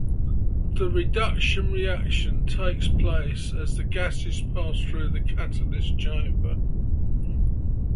The reduction reaction takes place as the gases pass through the catalyst chamber.